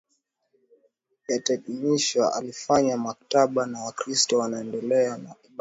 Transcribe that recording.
yataheshimiwa Alifanya mkataba na Wakristo waendelee na ibada